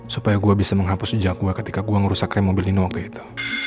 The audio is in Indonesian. supaya gua bisa menghapus jejak gua ketika gua merusak rem mobil di nuwaga itu